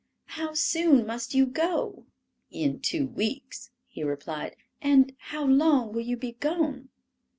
"How soon must you go?" "In two weeks," he replied. "And how long will you be gone?"